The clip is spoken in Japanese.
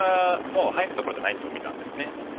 もう入るところじゃないと見たんですね。